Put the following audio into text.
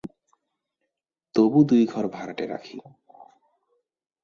তবু দুই ঘর ভাড়াটে রাখি।